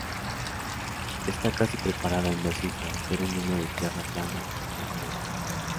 Esta casi separada en dos islas, pero un hilo de tierra plana la conecta.